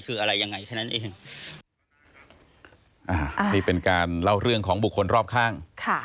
คืออะไรยังไงแค่นั้นเองอ่านี่เป็นการเล่าเรื่องของบุคคลรอบข้างค่ะ